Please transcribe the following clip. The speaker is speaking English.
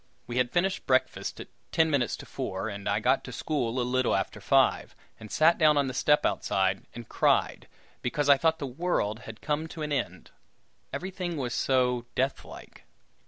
We had finished breakfast at ten minutes to four, and I got to school a little after five, and sat down on the step outside and cried, because I thought the world had come to an end; everything was so death like!